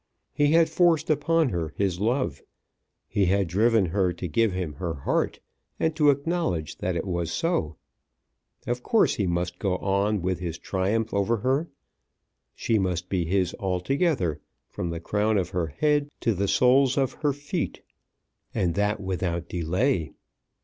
He had forced upon her his love. He had driven her to give him her heart, and to acknowledge that it was so. Of course he must go on with his triumph over her. She must be his altogether, from the crown of her head to the soles of her feet, and that without delay.